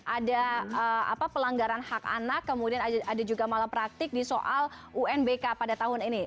ada pelanggaran hak anak kemudian ada juga malah praktik di soal unbk pada tahun ini